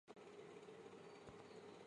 阮廷宾因筹度失宜革职。